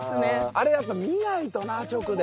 あれやっぱ見ないとな直で。